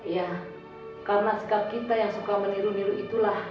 ya karena sikap kita yang suka meniru niru itulah